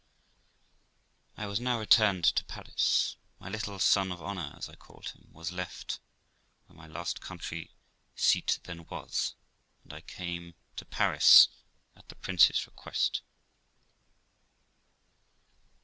I was now returned to Paris. My little son of honour, as I called him, 250 THE LIFE OF ROXANA was left at , where my last country seat then was, and I came to Paris at the prince's request.